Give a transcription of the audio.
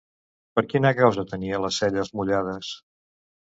Per quina causa tenia les celles mullades?